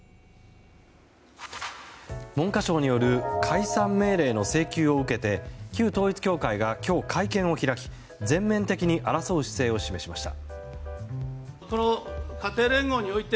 文科省による解散命令の請求を受けて旧統一教会が今日、会見を開き全面的に争う姿勢を示しました。